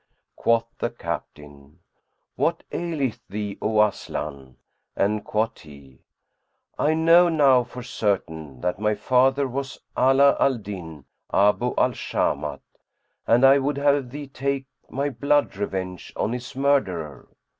Quoth the captain, "What aileth thee, O Aslan?" and quoth he, "I know now for certain that my father was Ali al Din Abu al Shamat and I would have thee take my blood revenge on his murderer."